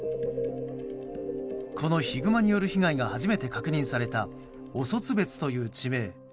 このヒグマによる被害が初めて確認されたオソツベツという地名。